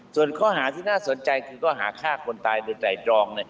ส่วนข้อหาที่น่าสนใจคือข้อหาฆ่าคนตายโดยไตรตรอง